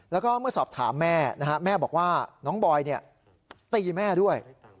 แล้วก็เมื่อสอบถามแม่แม่บอกว่าน้องบอยตีแม่ด้วย